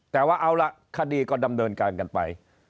แต่ว่าเอาล่ะคดีก็ดำเนินการกันไป